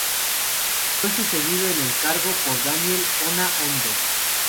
Fue sucedido en el cargo por Daniel Ona Ondo.